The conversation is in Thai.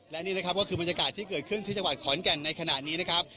และนี่นะครับก็คือบรรยากาศที่เกิดขึ้นที่จังหวัดขอนแก่นในขณะนี้นะครับ